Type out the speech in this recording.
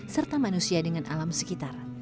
serta manusia dengan alam sekitar